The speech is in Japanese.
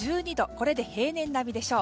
これで平年並みでしょう。